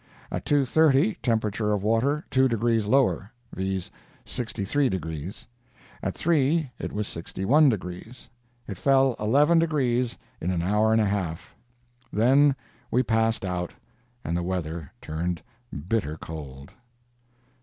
At 2:30, temperature of water two degrees lower—viz., 63 degrees. At 3, it was 61 degrees. It fell eleven degrees in an hour and a half. Then we passed out, and the weather turned bitter cold."